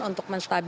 untuk memantau harga